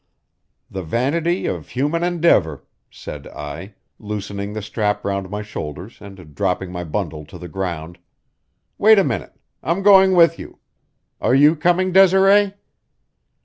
"The vanity of human endeavor," said I, loosening the strap round my shoulders and dropping my bundle to the ground. "Wait a minute; I'm going with you. Are you coming, Desiree?"